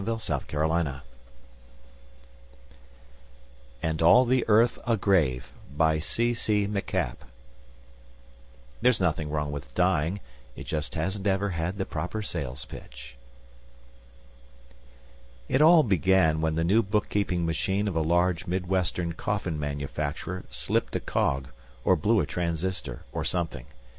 |||++AND ALL THE EARTH A GRAVE BY C.C. MacAPP ILLUSTRATED BY GAUGHAN There's nothing wrong with dying it just hasn't ever had the proper sales pitch! It all began when the new bookkeeping machine of a large Midwestern coffin manufacturer slipped a cog, or blew a transistor, or something.